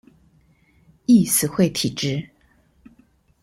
易死會體質